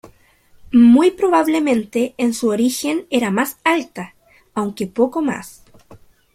Muy probablemente en su origen era más alta, aunque poco más.